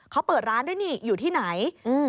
เขาเปิดร้านด้วยนี่อยู่ที่ไหน